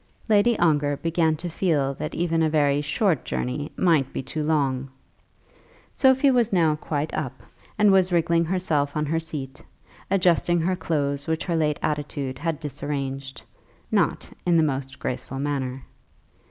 Lady Ongar began to feel that even a very short journey might be too long. Sophie was now quite up, and was wriggling herself on her seat, adjusting her clothes which her late attitude had disarranged, not in the most graceful manner.